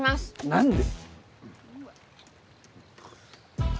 何で！